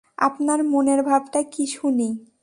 আপনার মনের ভাবটা কী শুনি।